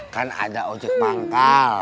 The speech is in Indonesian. kan ada ojek pangkal